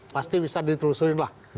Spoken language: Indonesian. pasti bisa ditelusurin lah